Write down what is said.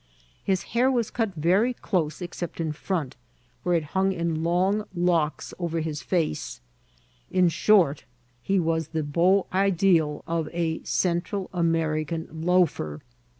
His hair was cut very close except in front, where it hung in long locks over his face; in short, he was the beau ideal of a Cen tral American loafer.